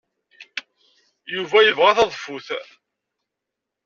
Yuba yebɣa taḍeffut.